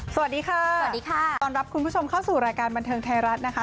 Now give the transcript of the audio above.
สวัสดีค่ะสวัสดีค่ะต้อนรับคุณผู้ชมเข้าสู่รายการบันเทิงไทยรัฐนะคะ